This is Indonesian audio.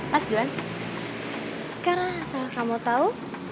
mas duan karena asal kamu tahu